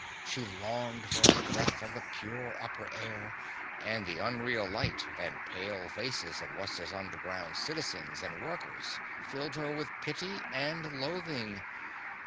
She longed for a breath of the pure upper air, and the unreal light and pale faces of Wutz's underground citizens and workers filled her with pity and loathing.